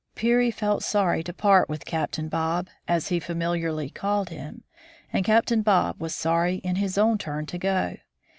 Peary felt sorry to part with Captain Bob, as he famil iarly called him, and Captain Bob was sorry in his turn to go.